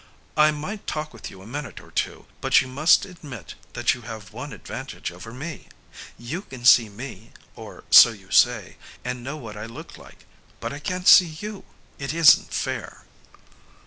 "I might talk with you for a minute or two, but you must admit that you have one advantage over me. You can see me, or so you say, and know what I look like, but I can't see you. It isn't fair."